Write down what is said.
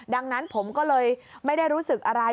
ดังนั้นผมก็เลยไม่ได้รู้สึกอะไร